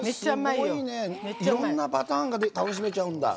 いろんなパターン楽しめちゃうんだ。